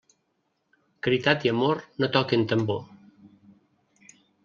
Caritat i amor no toquen tambor.